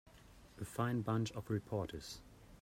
A fine bunch of reporters.